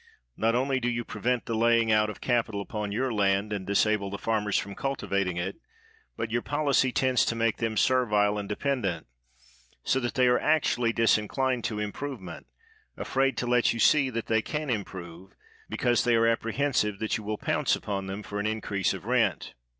Not onlj'^ do you pre vent the laying out of capital upon your land, and disable the farmers from cultivating it, but your policy tends to make them servile and de pendent; so that they are actually disinclined to improvement, afraid to let you see that they can improve, because they are apprehensive that you will pounce upon them for an increase of rent.